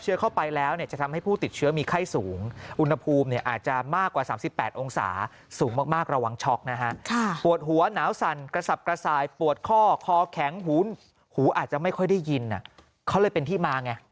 เขาเลยเป็นที่มาไงหูดับ